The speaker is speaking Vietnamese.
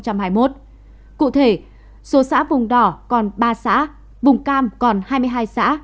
cụ thể số xã vùng đỏ còn ba xã vùng cam còn hai mươi hai xã